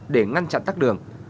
để ngăn chặn tắc đường